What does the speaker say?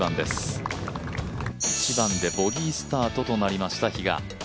１番でボギースタートとなりました、比嘉。